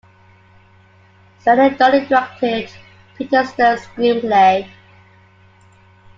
Stanley Donen directed Peter Stone's screenplay.